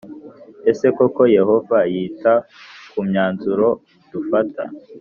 Ese koko Yehova yita ku myanzuro dufata